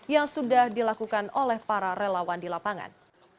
yang sudah dilakukan oleh para relawan di lapangan